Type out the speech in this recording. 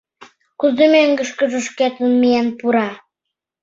Кузе мӧҥгышкыжӧ шкетын миен пура?